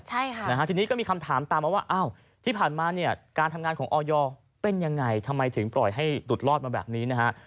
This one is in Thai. ทีนี้ก็มีคำถามตามมาว่าที่ผ่านมาการทำงานของออยอเป็นยังไงทำไมถึงปล่อยให้ดุดลอดมาแบบนี้นะครับ